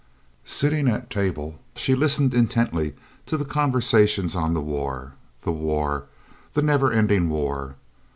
Sitting at table she listened intently to the conversations on the war the war, the never ending war.